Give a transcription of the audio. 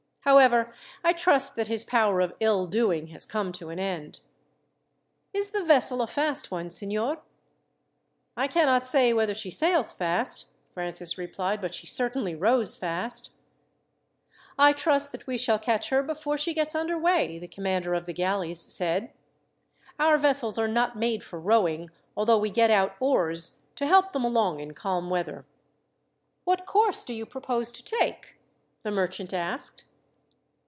However, I trust that his power of ill doing has come to an end. "Is the vessel a fast one, signor?" "I cannot say whether she sails fast," Francis replied; "but she certainly rows fast." "I trust that we shall catch her before she gets under way," the commander of the galleys said. "Our vessels are not made for rowing, although we get out oars to help them along in calm weather." "What course do you propose to take?" the merchant asked.